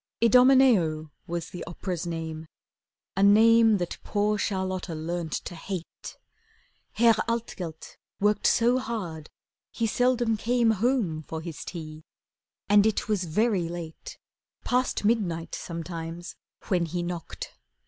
'Idomeneo' was the opera's name, A name that poor Charlotta learnt to hate. Herr Altgelt worked so hard he seldom came Home for his tea, and it was very late, Past midnight sometimes, when he knocked.